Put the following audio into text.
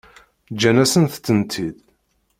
Ǧǧan-asent-tent-id.